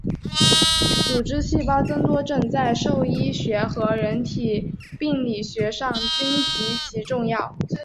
组织细胞增多症在兽医学和人体病理学上均极其重要。